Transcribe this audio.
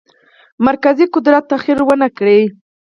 مرکزي قدرت تغییر ونه کړ.